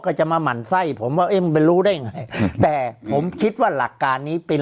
จะมาหมั่นไส้ผมว่าเอ๊ะมันไปรู้ได้ไงแต่ผมคิดว่าหลักการนี้เป็น